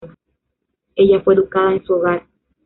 Ella fue educada en su hogar.